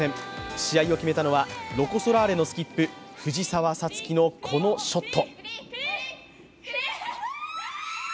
試合を決めたのはロコ・ソラーレのスキップ、藤澤五月のこのショット。